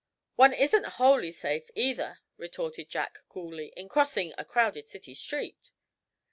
"One isn't wholly safe, either," retorted Jack, coolly, "in crossing a crowded city street."